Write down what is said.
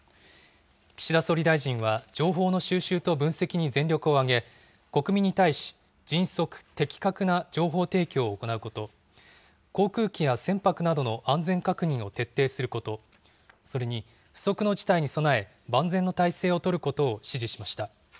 岸田総理大臣は情報の収集と分析に全力を挙げ、国民に対し、迅速、的確な情報提供を行うこと、航空機や船舶などの安全確認を徹底すること、それに不測の事態に備え、万全の態勢を取ることを指示しました。